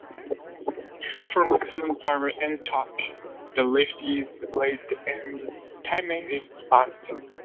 For maximum power and torque, the lift is raised and the timing is advanced.